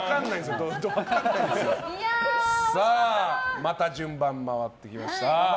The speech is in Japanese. まだ順番回ってきました。